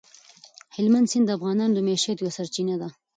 هلمند سیند د افغانانو د معیشت یوه سرچینه ده.